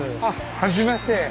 はじめまして。